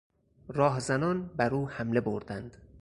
راهزنان بر او حمله بردند.